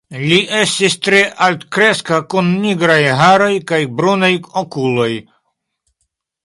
Li estis tre altkreska kun nigraj haroj kaj brunaj okuloj.